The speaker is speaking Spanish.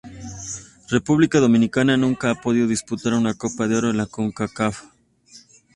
República Dominicana nunca ha podido disputar una Copa de Oro de la Concacaf.